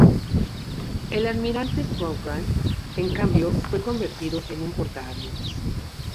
El "Almirante Cochrane", en cambio, fue convertido en un portaaviones.